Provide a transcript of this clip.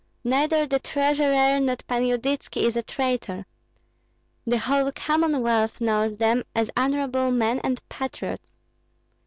"Neither the treasurer nor Pan Yudytski is a traitor. The whole Commonwealth knows them as honorable men and patriots."